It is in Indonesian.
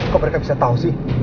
kok mereka bisa tahu sih